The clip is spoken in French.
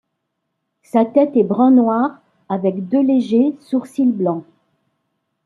Sa tête est brun noir avec deux légers sourcils blanc.